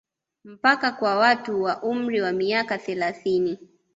Mpaka kwa watu wa umri wa miaka thelathini